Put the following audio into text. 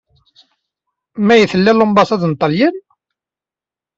May tella lombasad n Ṭalyan?